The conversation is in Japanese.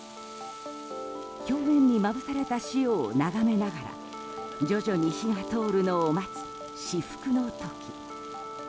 表面にまぶされた塩を眺めながら徐々に火が通るのを待つ至福の時。